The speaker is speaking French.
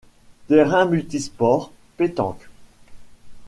Terrain multisports, pétanque...